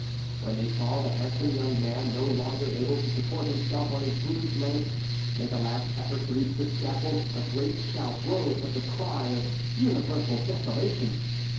When they saw the handsome young man, no longer able to support himself on his bruised legs, make a last effort to reach the scaffold, a great shout rose like a cry of universal desolation.